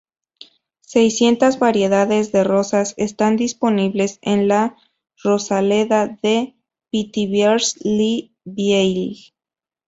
Seiscientas variedades de rosas están disponibles en la rosaleda de Pithiviers-le-Vieil.